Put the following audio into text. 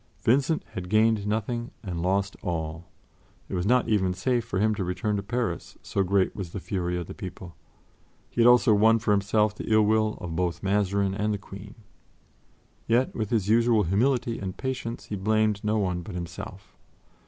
Vincent had gained nothing and lost all; it was not even safe for him to return to Paris, so great was the fury of the people; he had also won for himself the ill will of both Mazarin and the Queen. Yet with his usual humility and patience, he blamed no one but himself.